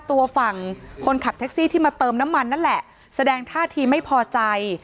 ตัวฝั่งคนขับแท็กซี่ที่มาเติมน้ำมันนั่นแหละแสดงท่าทีไม่พอใจ